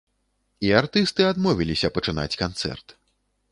І артысты адмовіліся пачынаць канцэрт.